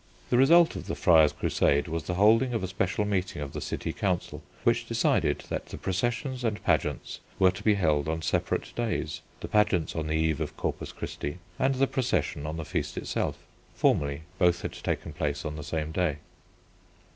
The result of the friar's crusade was the holding of a special meeting of the city council, which decided that the processions and pageants were to be held on separate days, the pageants on the eve of Corpus Christi, and the procession on the feast itself. Formerly both had taken place on the same day.